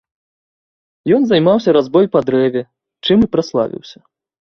Ён займаўся разьбой па дрэве, чым і праславіўся.